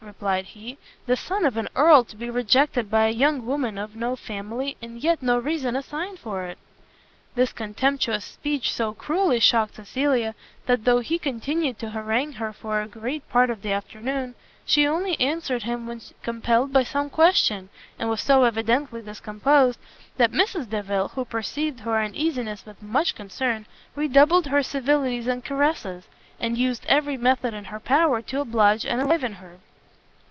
replied he; "the son of an earl to be rejected by a young woman of no family, and yet no reason assigned for it!" This contemptuous speech so cruelly shocked Cecilia, that though he continued to harangue her for a great part of the afternoon, she only answered him when compelled by some question, and was so evidently discomposed, that Mrs Delvile, who perceived her uneasiness with much concern, redoubled her civilities and caresses, and used every method in her power to oblige and enliven her.